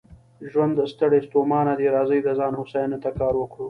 ژوند ستړی ستومانه دی، راځئ د ځان هوساینې ته کار وکړو.